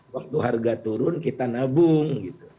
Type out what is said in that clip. waktu harga turun kita nabung gitu